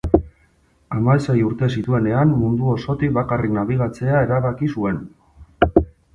Hamasei urte zituenean mundu osotik bakarrik nabigatzea erabaki zuen.